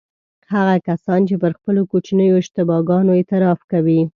هغه کسان چې پر خپلو کوچنیو اشتباه ګانو اعتراف کوي.